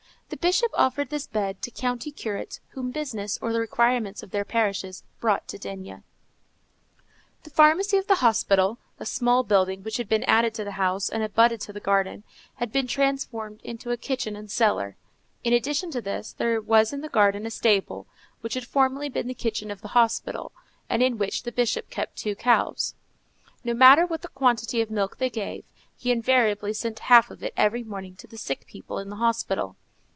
The Bishop offered this bed to country curates whom business or the requirements of their parishes brought to D—— The pharmacy of the hospital, a small building which had been added to the house, and abutted on the garden, had been transformed into a kitchen and cellar. In addition to this, there was in the garden a stable, which had formerly been the kitchen of the hospital, and in which the Bishop kept two cows. No matter what the quantity of milk they gave, he invariably sent half of it every morning to the sick people in the hospital.